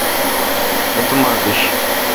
اتوما بش۔